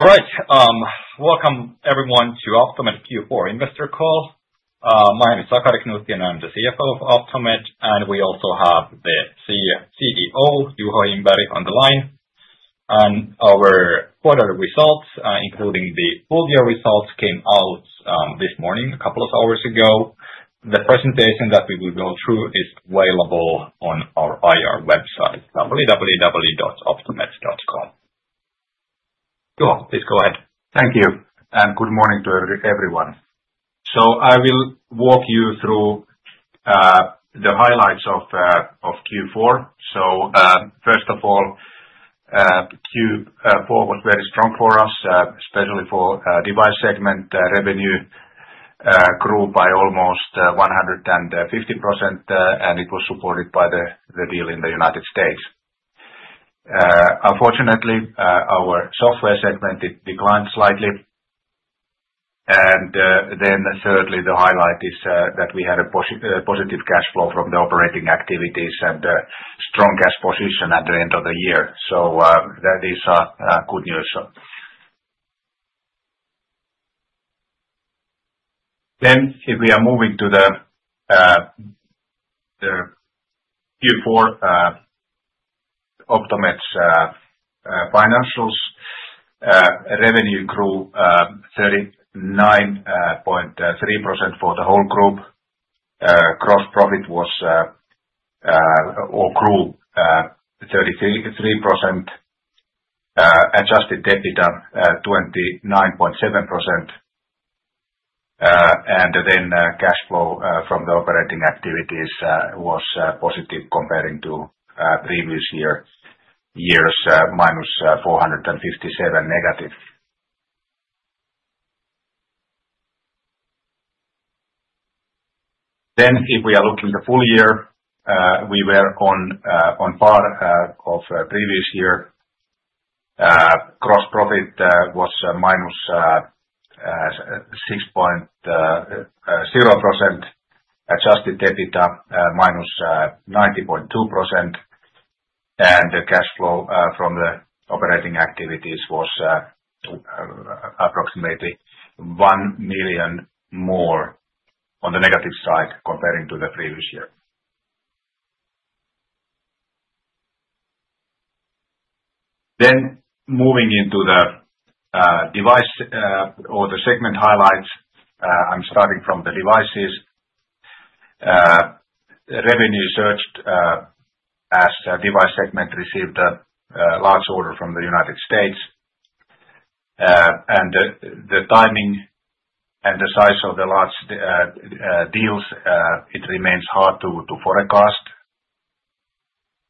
All right, welcome everyone to Optomed Q4 Investor Call. My name is Sakari Knuutti, and I'm the CFO of Optomed, and we also have the CEO, Juho Himberg, on the line. Our quarterly results, including the full-year results, came out this morning, a couple of hours ago. The presentation that we will go through is available on our IR website, www.optomed.com. Juho, please go ahead. Thank you, and good morning to everyone. I will walk you through the highlights of Q4. First of all, Q4 was very strong for us, especially for the device segment. Revenue grew by almost 150%, and it was supported by the deal in the United States. Unfortunately, our software segment declined slightly. Thirdly, the highlight is that we had a positive cash flow from the operating activities and a strong cash position at the end of the year. That is good news. If we are moving to the Q4 Optomed financials, revenue grew 39.3% for the whole group. Gross profit grew 33%, adjusted EBITDA 29.7%, and cash flow from the operating activities was positive compared to previous years, -457 negative. If we are looking at the full year, we were on par with the previous year. Gross profit was -6.0%, adjusted debt -90.2%, and the cash flow from the operating activities was approximately 1 million more on the negative side comparing to the previous year. Moving into the device or the segment highlights, I'm starting from the devices. Revenue surged as the device segment received a large order from the United States. The timing and the size of the large deals, it remains hard to forecast.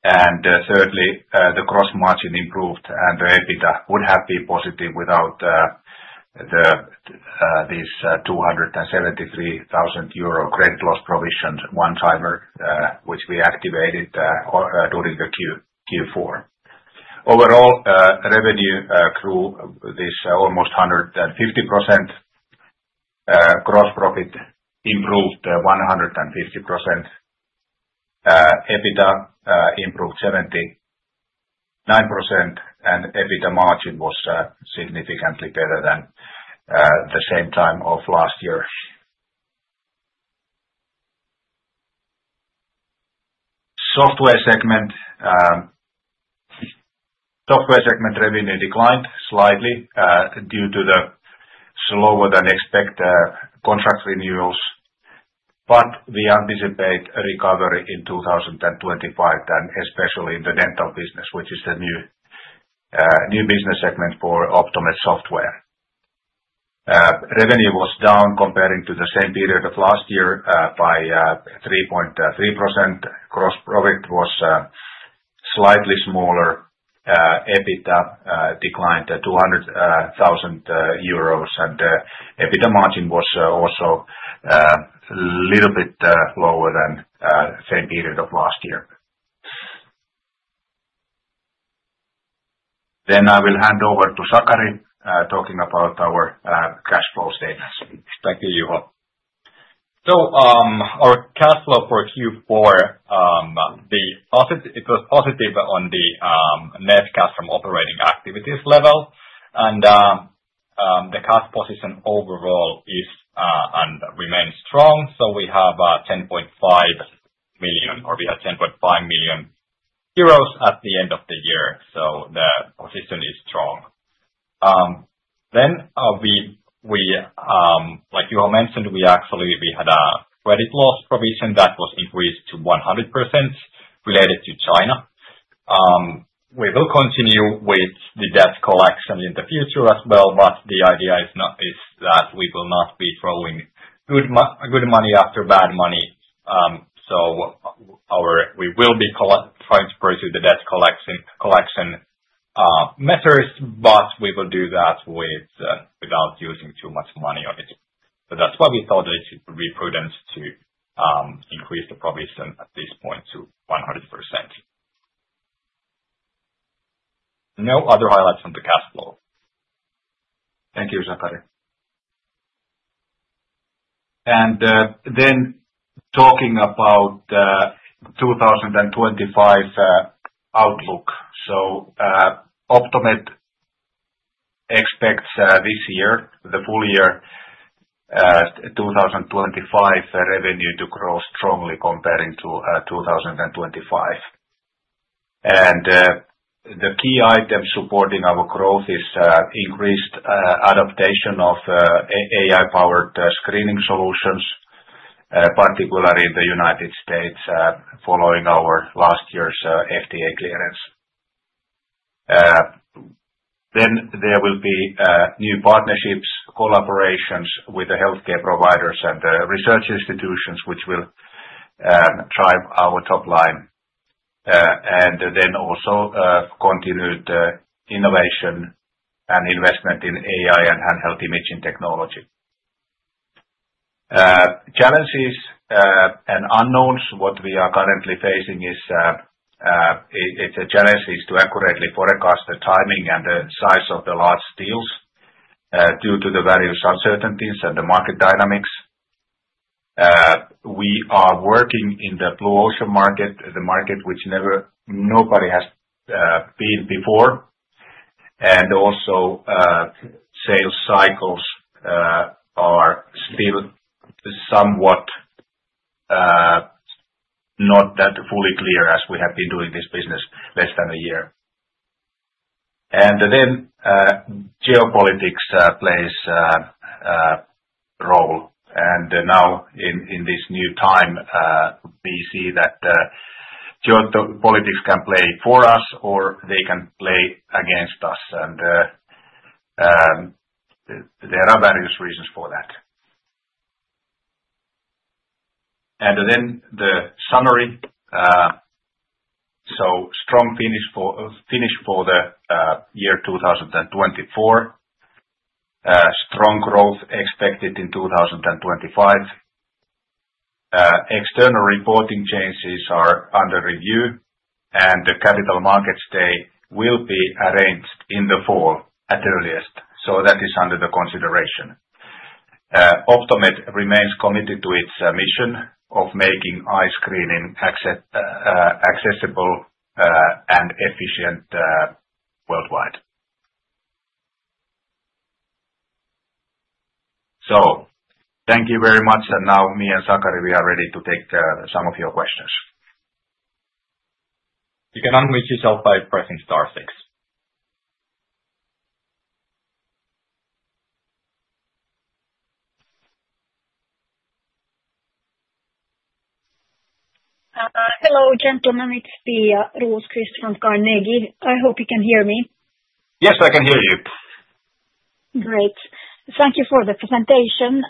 Thirdly, the gross margin improved, and the EBITDA would have been positive without these 273,000 euro credit loss provisions, one-timer, which we activated during Q4. Overall, revenue grew almost 150%. Gross profit improved 150%. EBITDA improved 79%, and EBITDA margin was significantly better than the same time of last year. Software segment revenue declined slightly due to the slower-than-expected contract renewals, but we anticipate a recovery in 2025, especially in the dental business, which is the new business segment for Optomed software. Revenue was down compared to the same period of last year by 3.3%. Gross profit was slightly smaller. EBITDA declined 200,000 euros, and the EBITDA margin was also a little bit lower than the same period of last year. I will hand over to Sakari talking about our cash flow statements. Thank you, Juho. Our cash flow for Q4, it was positive on the net cash from operating activities level, and the cash position overall remains strong. We have 10.5 million, or we had 10.5 million euros at the end of the year, so the position is strong. Like Juho mentioned, we actually had a credit loss provision that was increased to 100% related to China. We will continue with the debt collection in the future as well, but the idea is that we will not be throwing good money after bad money. We will be trying to pursue the debt collection measures, but we will do that without using too much money on it. That is why we thought it would be prudent to increase the provision at this point to 100%. No other highlights on the cash flow. Thank you, Sakari. Talking about the 2025 outlook, Optomed expects this year, the full year, 2025 revenue to grow strongly comparing to 2025. The key item supporting our growth is increased adaptation of AI-powered screening solutions, particularly in the United States, following our last year's FDA clearance. There will be new partnerships, collaborations with the healthcare providers and research institutions, which will drive our top line. Also, continued innovation and investment in AI and handheld imaging technology. Challenges and unknowns, what we are currently facing is a challenge to accurately forecast the timing and the size of the large deals due to the various uncertainties and the market dynamics. We are working in the blue ocean market, the market which nobody has been before. Also, sales cycles are still somewhat not that fully clear as we have been doing this business less than a year. Geopolitics plays a role. In this new time, we see that geopolitics can play for us or they can play against us. There are various reasons for that. The summary: strong finish for the year 2024, strong growth expected in 2025. External reporting changes are under review, and the capital markets day will be arranged in the fall at earliest. That is under consideration. Optomed remains committed to its mission of making eye screening accessible and efficient worldwide. Thank you very much. Now me and Sakari, we are ready to take some of your questions. You can unmute yourself by pressing star, thanks. Hello, gentlemen. It's Pia Roosqvist from Carnegie. I hope you can hear me. Yes, I can hear you. Great. Thank you for the presentation.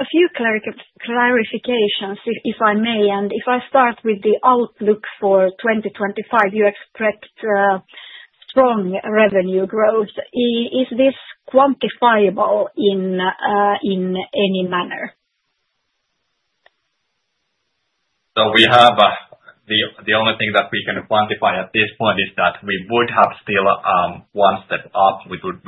A few clarifications, if I may. If I start with the outlook for 2025, you expect strong revenue growth. Is this quantifiable in any manner? The only thing that we can quantify at this point is that we would have still one step up, which would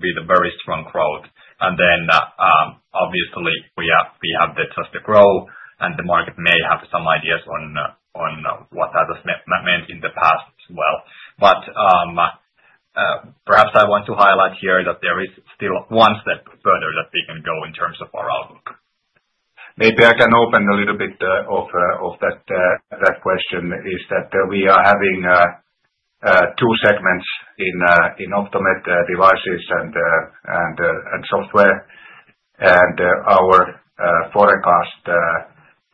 be the very strong growth. Obviously, we have debts to grow, and the market may have some ideas on what that has meant in the past as well. Perhaps I want to highlight here that there is still one step further that we can go in terms of our outlook. Maybe I can open a little bit of that question, is that we are having two segments in Optomed devices and software, and our forecast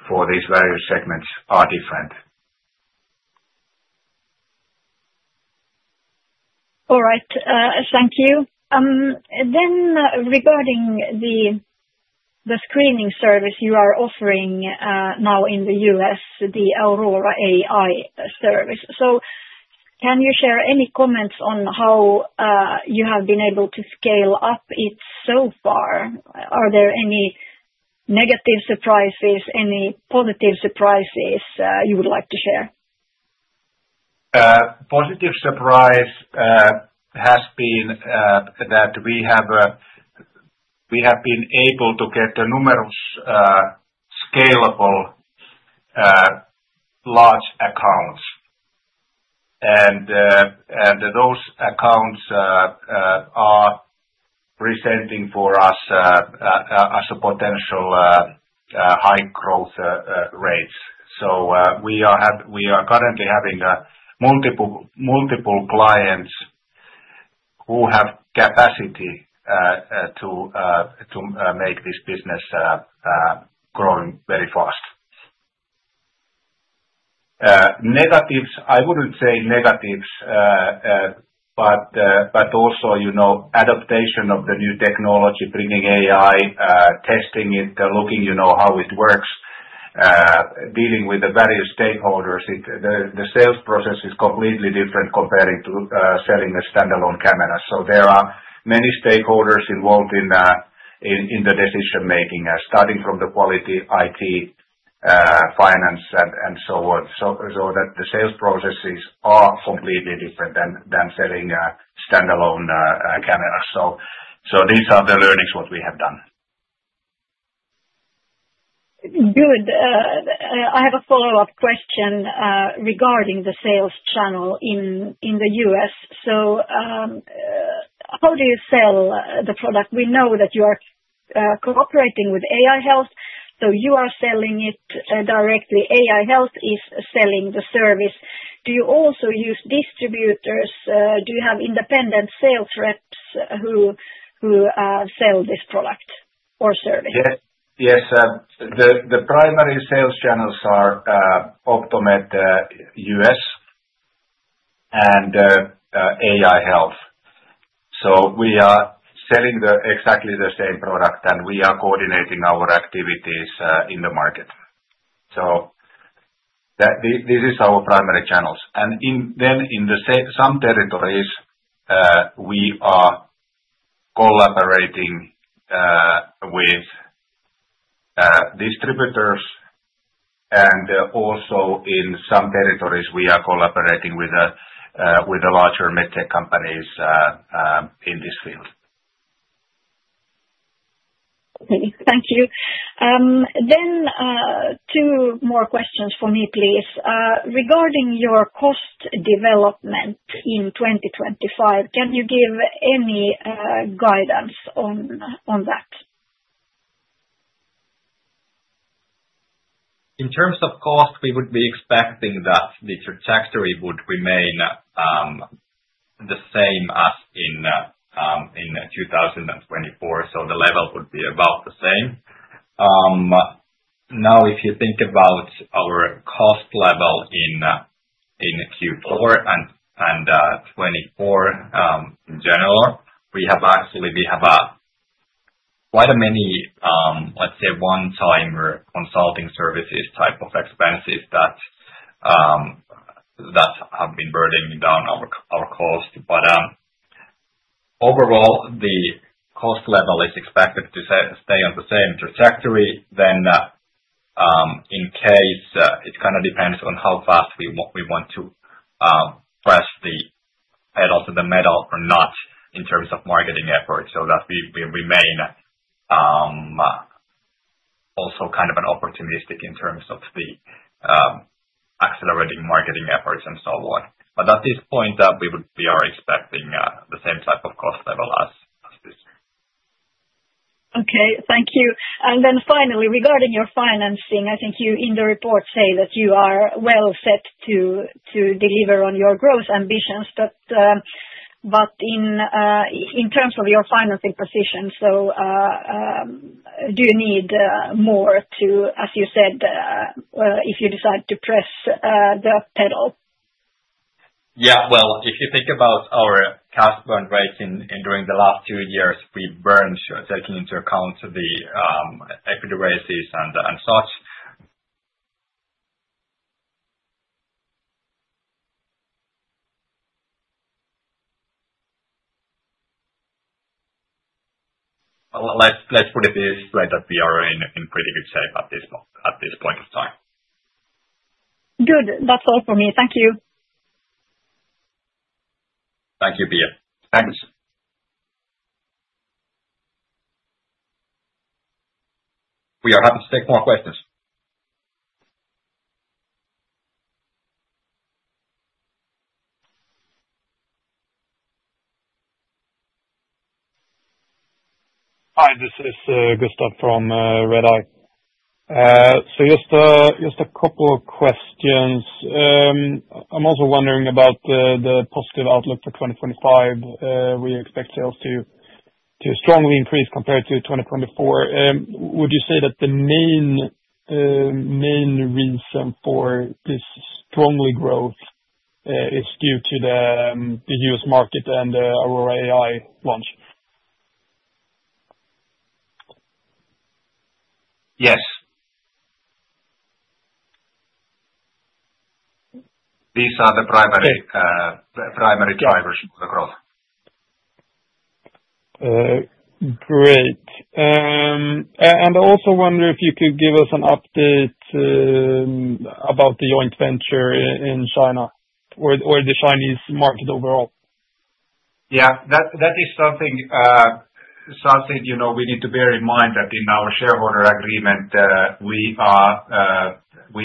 for these various segments are different. All right, thank you. Regarding the screening service you are offering now in the U.S., the Aurora AI service, can you share any comments on how you have been able to scale up it so far? Are there any negative surprises, any positive surprises you would like to share? Positive surprise has been that we have been able to get numerous scalable large accounts. Those accounts are presenting for us as a potential high growth rate. We are currently having multiple clients who have capacity to make this business grow very fast. Negatives, I would not say negatives, but also adaptation of the new technology, bringing AI, testing it, looking how it works, dealing with the various stakeholders. The sales process is completely different comparing to selling a standalone camera. There are many stakeholders involved in the decision-making, starting from the quality IT, finance, and so on. The sales processes are completely different than selling a standalone camera. These are the learnings what we have done. Good. I have a follow-up question regarding the sales channel in the U.S. How do you sell the product? We know that you are cooperating with AI Health, so you are selling it directly. AI Health is selling the service. Do you also use distributors? Do you have independent sales reps who sell this product or service? Yes. The primary sales channels are Optomed U.S. and AI Health. We are selling exactly the same product, and we are coordinating our activities in the market. These are our primary channels. In some territories, we are collaborating with distributors. Also, in some territories, we are collaborating with the larger med tech companies in this field. Thank you. Two more questions for me, please. Regarding your cost development in 2025, can you give any guidance on that? In terms of cost, we would be expecting that the trajectory would remain the same as in 2024, so the level would be about the same. Now, if you think about our cost level in Q4 and 2024 in general, we have actually quite many, let's say, one-timer consulting services type of expenses that have been burning down our cost. Overall, the cost level is expected to stay on the same trajectory. In case, it kind of depends on how fast we want to press the pedal to the metal or not in terms of marketing efforts so that we remain also kind of opportunistic in terms of the accelerating marketing efforts and so on. At this point, we are expecting the same type of cost level as this. Okay, thank you. Finally, regarding your financing, I think you in the report say that you are well set to deliver on your growth ambitions. In terms of your financing position, do you need more to, as you said, if you decide to press the pedal? Yeah, if you think about our cash burn rate during the last two years, we've burned taking into account the EPID races and such. Let's put it this way that we are in pretty good shape at this point of time. Good. That's all for me. Thank you. Thank you, Pia. Thanks. We are happy to take more questions. Hi, this is Gustav from Red Eye. Just a couple of questions. I'm also wondering about the positive outlook for 2025. We expect sales to strongly increase compared to 2024. Would you say that the main reason for this strong growth is due to the U.S. market and Aurora AI launch? Yes. These are the primary drivers for the growth. Great. I also wonder if you could give us an update about the joint venture in China or the Chinese market overall. Yeah, that is something we need to bear in mind that in our shareholder agreement, we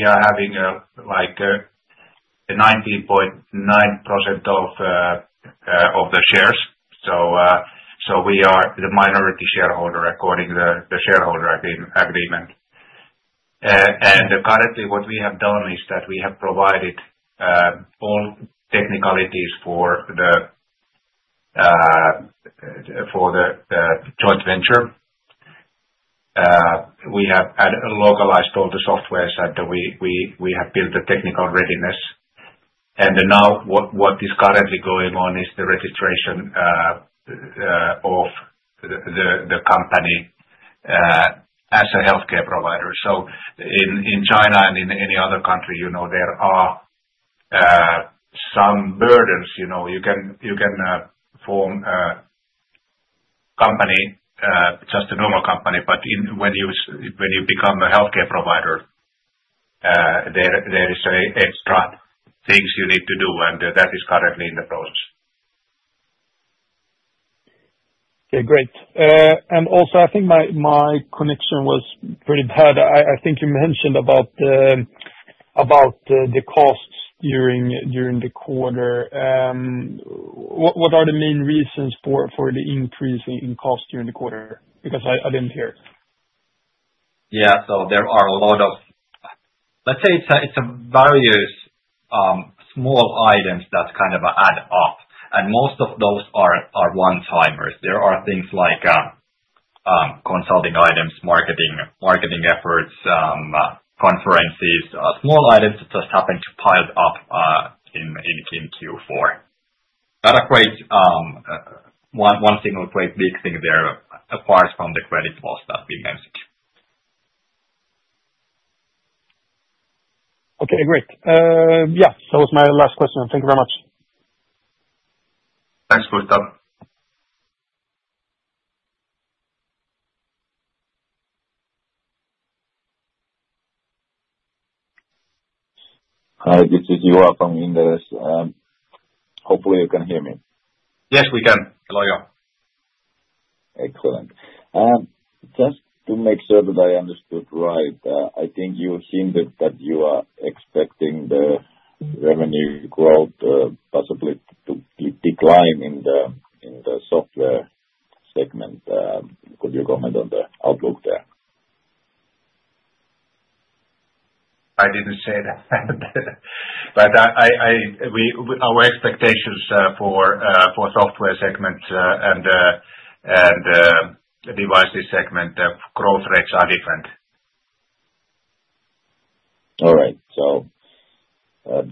are having 19.9% of the shares. We are the minority shareholder according to the shareholder agreement. Currently, what we have done is that we have provided all technicalities for the joint venture. We have localized all the softwares, we have built the technical readiness. What is currently going on is the registration of the company as a healthcare provider. In China and in any other country, there are some burdens. You can form a company, just a normal company. When you become a healthcare provider, there are extra things you need to do, and that is currently in the process. Okay, great. I think my connection was pretty bad. I think you mentioned about the costs during the quarter. What are the main reasons for the increase in cost during the quarter? Because I didn't hear. Yeah, there are a lot of, let's say, various small items that kind of add up. Most of those are one-timers. There are things like consulting items, marketing efforts, conferences, small items that just happen to pile up in Q4. Not a great one single great big thing there apart from the credit loss that we mentioned. Okay, great. Yeah, that was my last question. Thank you very much. Thanks, Gustav. Hi, this is Yuval from Inderes. Hopefully, you can hear me. Yes, we can. Hello, Yuval. Excellent. Just to make sure that I understood right, I think you hinted that you are expecting the revenue growth possibly to decline in the software segment. Could you comment on the outlook there? I didn't say that. Our expectations for software segment and devices segment growth rates are different. All right.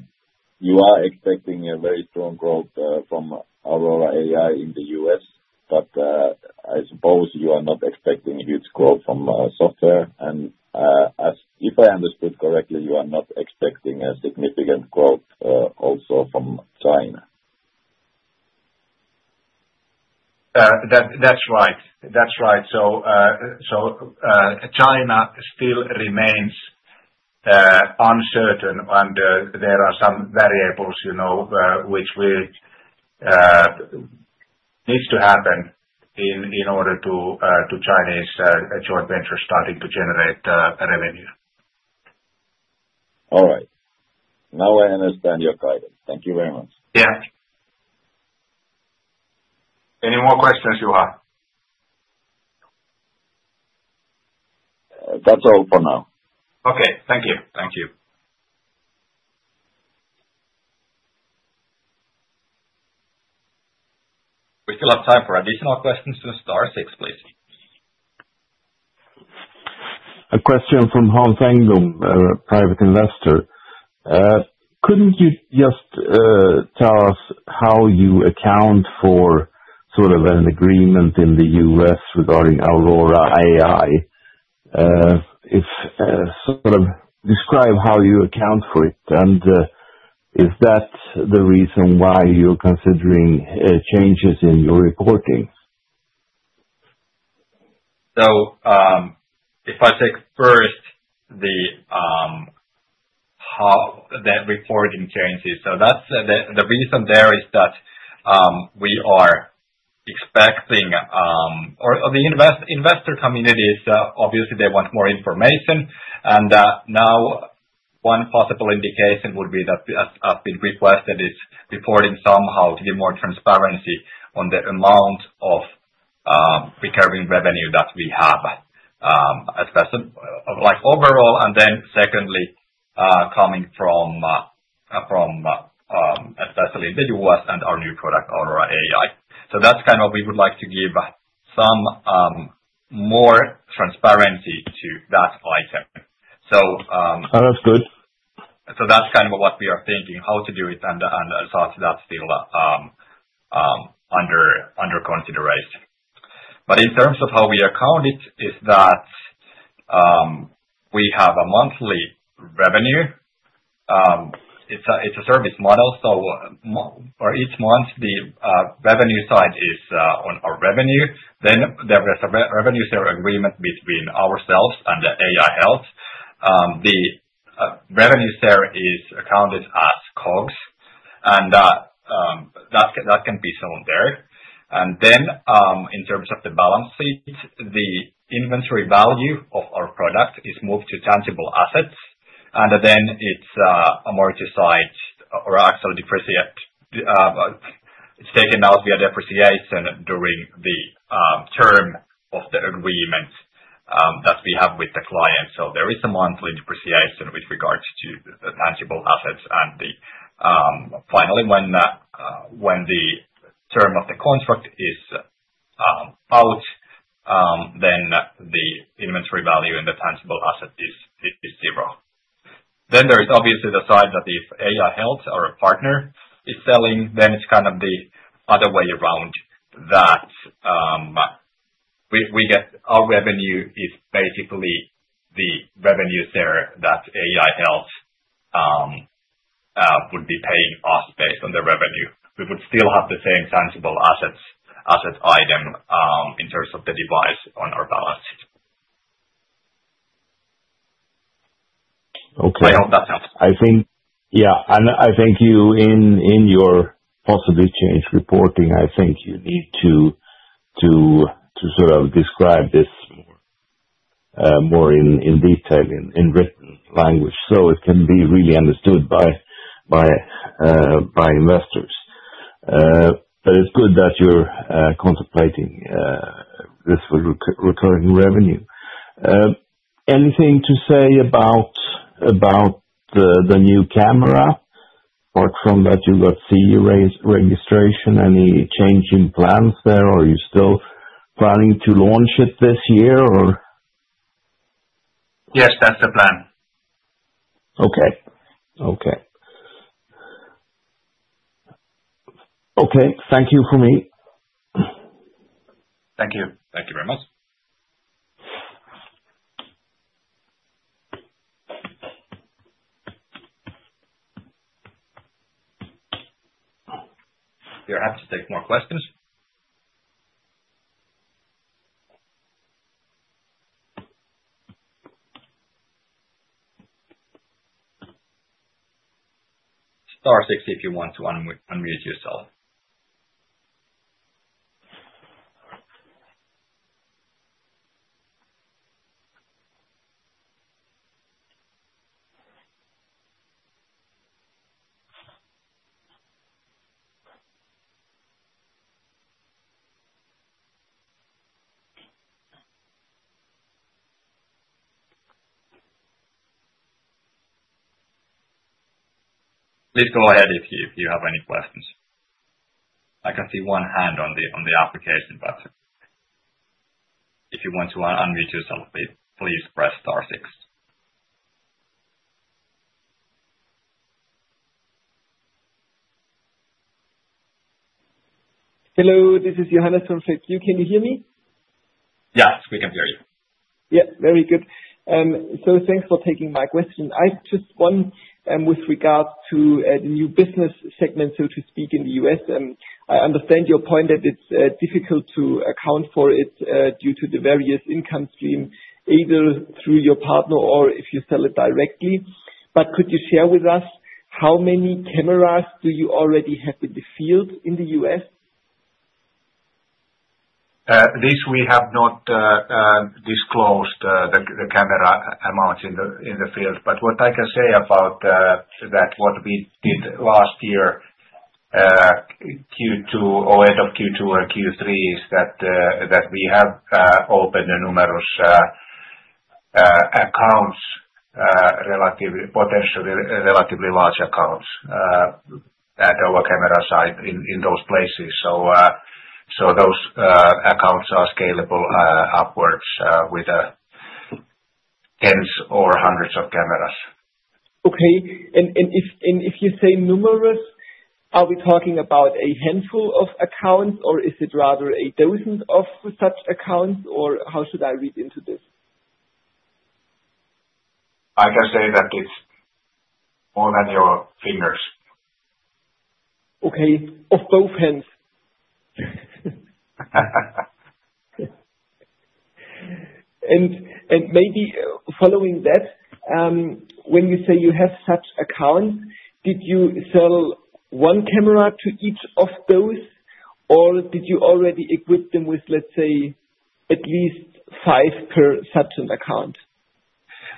You are expecting a very strong growth from Aurora AI in the U.S., but I suppose you are not expecting a huge growth from software. If I understood correctly, you are not expecting a significant growth also from China. That's right. That's right. China still remains uncertain, and there are some variables which need to happen in order for Chinese joint ventures starting to generate revenue. All right. Now I understand your guidance. Thank you very much. Yeah. Any more questions, Yuval? That's all for now. Okay, thank you. Thank you. We still have time for additional questions to start. Six, please. A question from Hong Fengdong, private investor. Couldn't you just tell us how you account for sort of an agreement in the U.S. regarding Aurora AI? Sort of describe how you account for it, and is that the reason why you're considering changes in your reporting? If I take first the reporting changes, the reason there is that we are expecting or the investor communities, obviously, they want more information. Now one possible indication would be that I've been requested is reporting somehow to be more transparency on the amount of recurring revenue that we have, especially overall. Then secondly, coming from especially the U.S. and our new product, Aurora AI. That's kind of we would like to give some more transparency to that item. Oh, that's good. That is kind of what we are thinking, how to do it, and such that is still under consideration. In terms of how we account it, we have a monthly revenue. It is a service model. Each month, the revenue side is on our revenue. There is a revenue share agreement between ourselves and AI Health. The revenue share is accounted as COGS. That can be shown there. In terms of the balance sheet, the inventory value of our product is moved to tangible assets. It is amortized or actually depreciated. It is taken out via depreciation during the term of the agreement that we have with the client. There is a monthly depreciation with regards to tangible assets. Finally, when the term of the contract is out, the inventory value and the tangible asset is zero. There is obviously the side that if AI Health or a partner is selling, then it's kind of the other way around that our revenue is basically the revenue share that AI Health would be paying us based on the revenue. We would still have the same tangible asset item in terms of the device on our balance sheet. Okay. I hope that helps. Yeah. I think you in your possibly changed reporting, I think you need to sort of describe this more in detail in written language so it can be really understood by investors. It is good that you're contemplating this recurring revenue. Anything to say about the new camera, apart from that you got CE registration? Any change in plans there, or are you still planning to launch it this year, or? Yes, that's the plan. Okay. Okay. Thank you for me. Thank you. Thank you very much. You're happy to take more questions. Star six if you want to unmute yourself. Please go ahead if you have any questions. I can see one hand on the application, but if you want to unmute yourself, please press star six. Hello, this is Johannes from Fuqua. Can you hear me? Yes, we can hear you. Yeah, very good. Thanks for taking my question. I just want with regard to the new business segment, so to speak, in the U.S., I understand your point that it's difficult to account for it due to the various income streams, either through your partner or if you sell it directly. Could you share with us how many cameras do you already have in the field in the U.S? This, we have not disclosed the camera amount in the field. What I can say about that, what we did last year or end of Q2 or Q3 is that we have opened numerous accounts, potentially relatively large accounts at our camera site in those places. Those accounts are scalable upwards with tens or hundreds of cameras. Okay. If you say numerous, are we talking about a handful of accounts, or is it rather a dozen of such accounts, or how should I read into this? I can say that it's more than your fingers. Okay. Of both hands. Maybe following that, when you say you have such accounts, did you sell one camera to each of those, or did you already equip them with, let's say, at least five per such an account?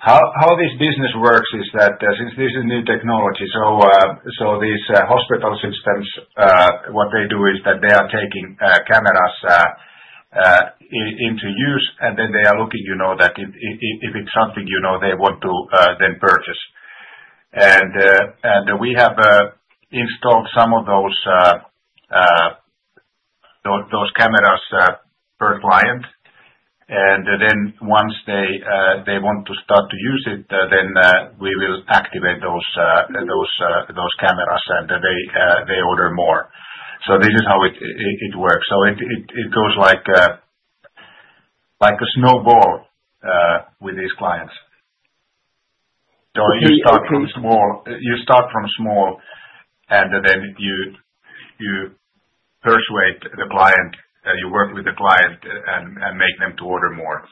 How this business works is that since this is new technology, these hospital systems, what they do is that they are taking cameras into use, and then they are looking that if it's something they want to then purchase. We have installed some of those cameras per client. Once they want to start to use it, we will activate those cameras, and they order more. This is how it works. It goes like a snowball with these clients. You start from small, and then you persuade the client, you work with the client, and make them to order more.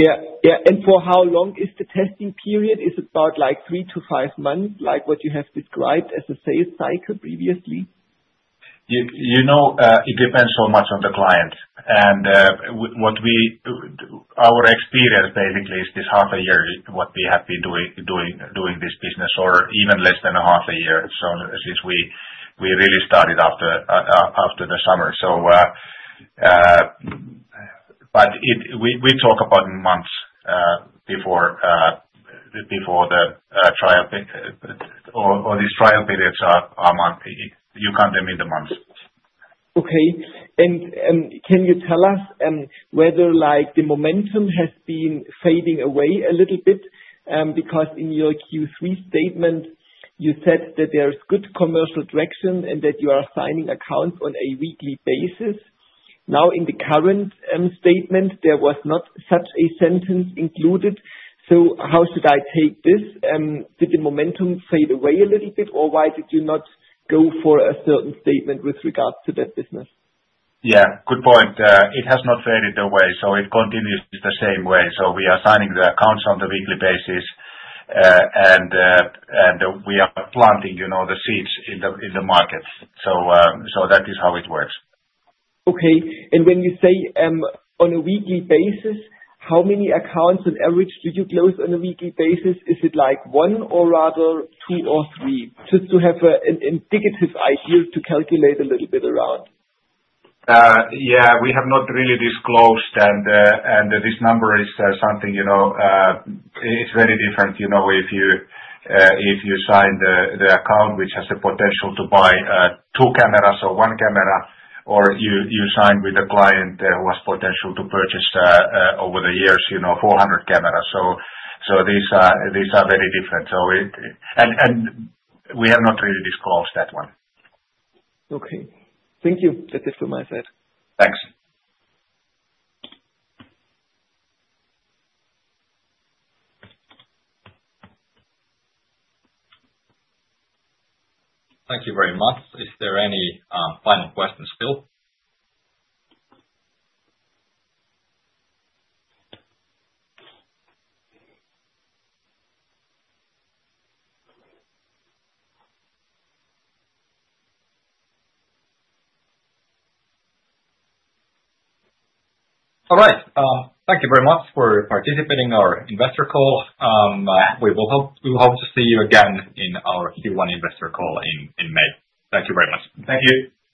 Yeah. Yeah. And for how long is the testing period? Is it about three to five months, like what you have described as a sales cycle previously? It depends so much on the client. Our experience, basically, is this half a year what we have been doing this business, or even less than half a year, since we really started after the summer. We talk about months before the trial or these trial periods are months. You count them in the months. Okay. Can you tell us whether the momentum has been fading away a little bit? Because in your Q3 statement, you said that there is good commercial traction and that you are signing accounts on a weekly basis. Now, in the current statement, there was not such a sentence included. How should I take this? Did the momentum fade away a little bit, or why did you not go for a certain statement with regards to that business? Yeah. Good point. It has not faded away. It continues the same way. We are signing the accounts on a weekly basis, and we are planting the seeds in the market. That is how it works. Okay. When you say on a weekly basis, how many accounts on average do you close on a weekly basis? Is it one or rather two or three? Just to have an indicative idea to calculate a little bit around. Yeah. We have not really disclosed that. This number is something, it's very different if you sign the account which has the potential to buy two cameras or one camera, or you sign with a client who has potential to purchase over the years 400 cameras. These are very different. We have not really disclosed that one. Okay. Thank you. That's it from my side. Thanks. Thank you very much. Is there any final questions still? All right. Thank you very much for participating in our investor call. We will hope to see you again in our Q1 investor call in May. Thank you very much. Thank you.